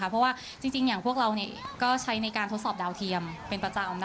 เพราะว่าจริงอย่างพวกเราก็ใช้ในการทดสอบดาวเทียมเป็นประจำ